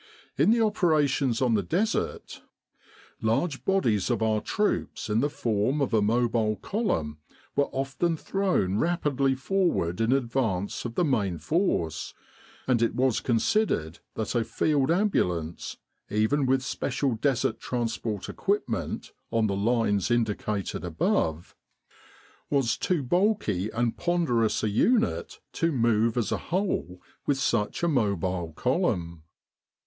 In the operations on the Desert, large bodies of our troops in the form of a mobile column were often thrown rapidly forward in advance of the main force, and it was considered that a Field Ambulance, even with special Desert transport equipment on the lines indicated above, was too 78 Desert Warfare bulky and ponderous a unit to move as a whole with such a mobile column.